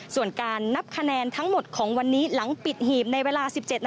ส่วนการนับคะแนนทั้งหมดของวันนี้หลังปิดหีบในเวลา๑๗นาที